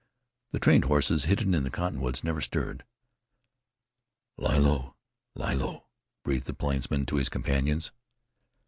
The trained horses hidden in the cottonwoods never stirred. "Lie low! lie low!" breathed the plainsman to his companions.